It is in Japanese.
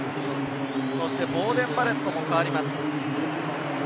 ボーデン・バレットも代わります。